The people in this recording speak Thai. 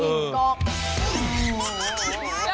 แล้วก็กินฉาบชีนกล้อก